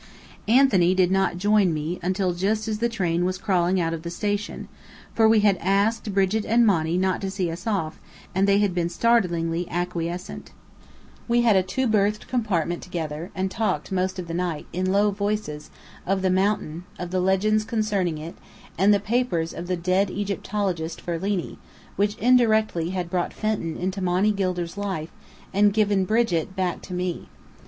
Anthony did not join me until just as the train was crawling out of the station, for we had asked Brigit and Monny not to see us off, and they had been startlingly acquiescent. We had a two berthed compartment together, and talked most of the night, in low voices; of the mountain; of the legends concerning it, and the papers of the dead Egyptologist Ferlini, which indirectly had brought Fenton into Monny Gilder's life, and given Brigit back to me.